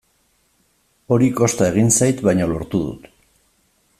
Hori kosta egin zait, baina lortu dut.